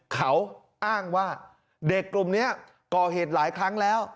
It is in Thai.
เขาอ้างว่าเด็กกลุ่มนี้ก่อเหตุหลายครั้งแล้ว